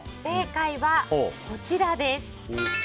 正解は、こちらです。